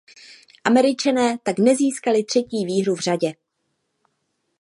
Američané tak nezískali třetí výhru v řadě.